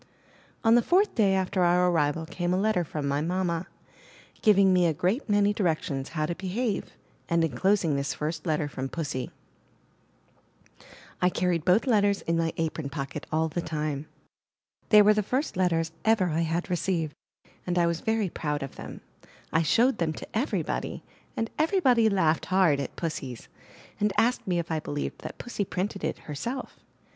On the fourth day after our arrival came a letter from my mamma, giving me a great many direc tions how to behave, and enclosing this first letter from Pussy. I carried both letters in my apron 314 IN THE NURSERY pocket all the time. They were the first letters I ever had received, and I was very proud of them. I showed them to everybody, and everybody laughed hard at Pussy's, and asked me if I believed that Pussy printed it herself.